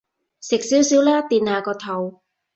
食少少啦，墊下個肚